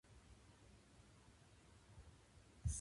パンの耳は嫌いだ